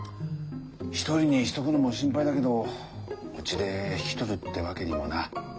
一人にしとくのも心配だけどうちで引き取るってわけにもな。